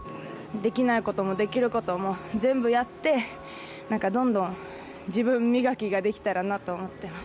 できないこともできることも、全部やってどんどん、自分磨きができたらなと思っています。